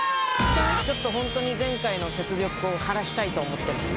ちょっとホントに前回の雪辱を果たしたいと思ってます